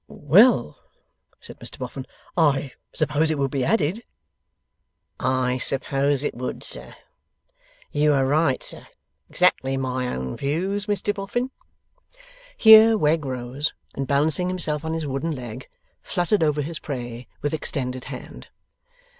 'Well,' said Mr Boffin, 'I suppose it would be added.' 'I suppose it would, sir. You are right, sir. Exactly my own views, Mr Boffin.' Here Wegg rose, and balancing himself on his wooden leg, fluttered over his prey with extended hand.